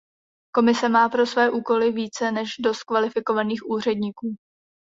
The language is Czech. Komise má pro své úkoly více než dost kvalifikovaných úředníků.